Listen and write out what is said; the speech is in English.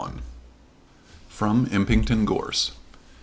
FROM IMPINGTON GORSE.